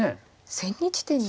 千日手に。